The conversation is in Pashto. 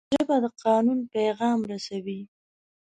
ژبه د قانون پیغام رسوي